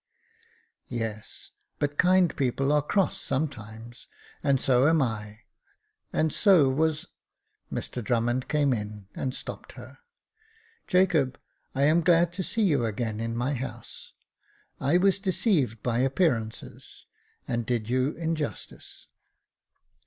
" Yes, but kind people are cross sometimes, and so am I — and so was " Mr Drummond came in, and stopped her. " Jacob, I am glad to see you again in my house ; I was deceived by appearances, and did you injustice."